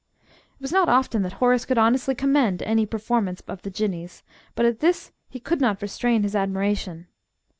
It was not often that Horace could honestly commend any performance of the Jinnee's, but at this he could not restrain his admiration.